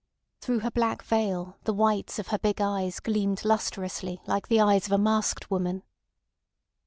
Through her black veil the whites of her big eyes gleamed lustrously like the eyes of a masked woman.